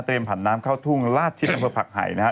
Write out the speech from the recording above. เตรียมผันน้ำเข้าทุ่งลาดชิดบางภาคไห่นะฮะ